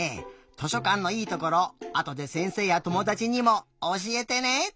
図書かんのいいところあとでせんせいやともだちにもおしえてね！